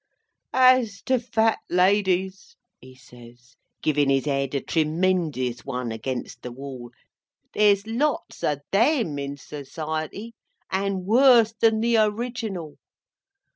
"As to Fat Ladies," he says, giving his head a tremendious one agin the wall, "there's lots of them in Society, and worse than the original.